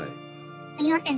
すみません。